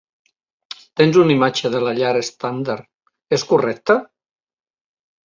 Tens una imatge de la llar estàndard, és correcte?